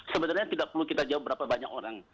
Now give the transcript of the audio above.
sebenarnya tidak perlu kita jawab berapa banyak orang